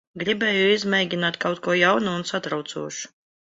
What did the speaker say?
Gribēju izmēģināt kaut ko jaunu un satraucošu.